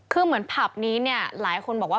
คือเหมือนผับนี้เนี่ยหลายคนบอกว่า